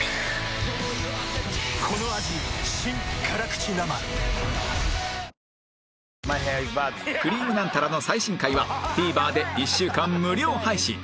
『くりぃむナンタラ』の最新回は ＴＶｅｒ で１週間無料配信